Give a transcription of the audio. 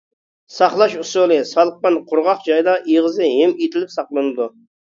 ساقلاش ئۇسۇلى: سالقىن، قۇرغاق جايدا ئېغىزى ھىم ئېتىلىپ ساقلىنىدۇ.